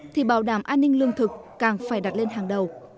thì bảo đảm an ninh lương thực càng phải đặt lên hàng đầu